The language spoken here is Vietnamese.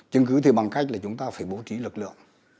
chứng cứ thì bằng cách là chúng ta phải bố trí lực lượng